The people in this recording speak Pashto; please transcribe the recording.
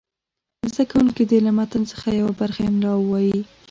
زده کوونکي دې له متن څخه یوه برخه املا ووایي.